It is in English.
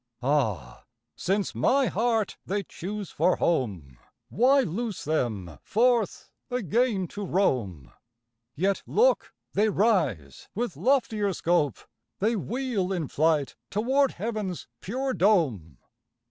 Ah, since my heart they choose for home, Why loose them, forth again to roam? Yet look: they rise! with loftier scope They wheel in flight toward heaven's pure dome.